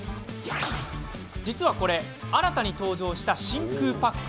実はこれ、新たに登場した真空パック。